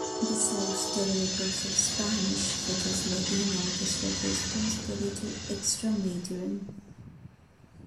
Besides derivatives of Spanish such as Ladino, this refers principally to Extremaduran.